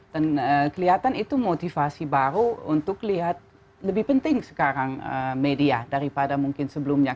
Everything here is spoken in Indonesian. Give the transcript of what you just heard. dan kelihatan itu motivasi baru untuk lihat lebih penting sekarang media daripada mungkin sebelumnya